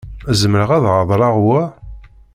Zemreɣ ad reḍleɣ wa?